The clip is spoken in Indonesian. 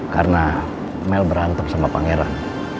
karena mel berantem sama pangeran